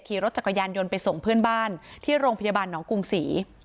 ขี่รถจักรยานยนต์ไปส่งเพื่อนบ้านที่โรงพยาบาลหนองกรุงศรี